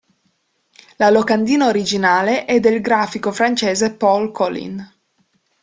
La locandina originale è del grafico francese Paul Colin.